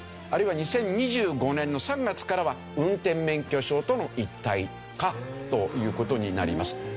あるいは２０２５年の３月からは運転免許証との一体化という事になります。